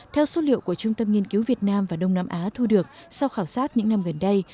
theo số liệu của trung tâm nghiên cứu việt nam và đông nam á thu được sau khảo sát những năm gần đây